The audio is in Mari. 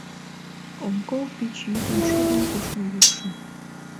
Ом кол пич йӱдым шудын кушмо йӱкшым.